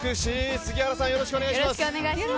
杉原さん、よろしくお願いします。